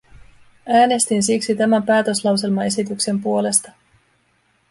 Äänestin siksi tämän päätöslauselmaesityksen puolesta.